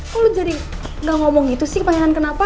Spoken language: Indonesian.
kok lo jadi nggak ngomong gitu sih ke pangeran kenapa